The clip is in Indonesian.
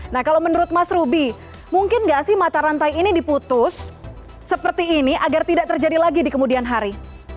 nah kalau menurut mas ruby mungkin nggak sih mata rantai ini diputus seperti ini agar tidak terjadi lagi di kemudian hari